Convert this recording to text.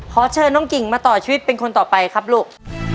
ขอเชิญน้องกิ่งมาต่อชีวิตเป็นคนต่อไปครับลูก